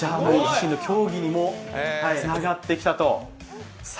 競技にもつながってきたと。